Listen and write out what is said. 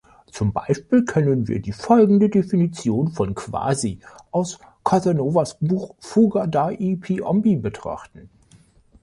Zum Beispiel können wir die folgende Definition von quasi aus Casanovas Buch Fuga dai Piombi betrachten.